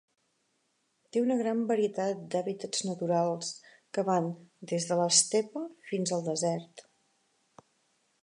Té una gran varietat d'hàbitats naturals, que van des de l'estepa fins al desert.